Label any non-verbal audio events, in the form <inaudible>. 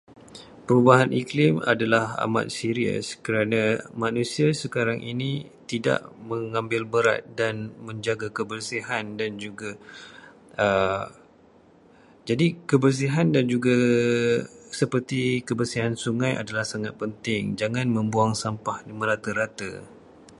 Perubahan iklim adalah amat serius, kerana manusia sekarang ini tidak mengambil berat dan menjaga kebersihan dan juga aa. <hesitation> Jadi, kebersihan dan juga- seperti kebersihan sungai adalah sangat penting. Jangan membuang sampah di merata-rata.